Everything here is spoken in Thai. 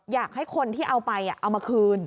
อยากให้คนที่เอาไปเอามาคืน